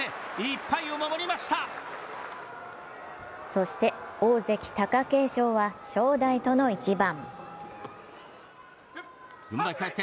そして、大関・貴景勝は正代との一番。